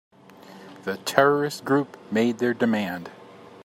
The terrorist group made their demand.